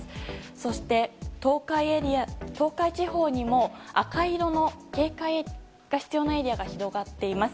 そして、東海地方にも赤色の警戒が必要なエリアが広がっています。